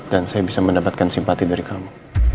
dan saya bisa mendapatkan simpati dari kamu